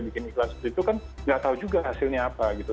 bikin iklan seperti itu kan nggak tahu juga hasilnya apa gitu